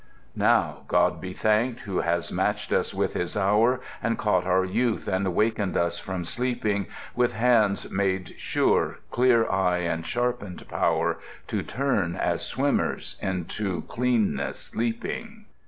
Now, God be thanked who has matched us with His hour, And caught our youth, and wakened us from sleeping, With hand made sure, clear eye, and sharpened power, To turn, as swimmers into cleanness leaping.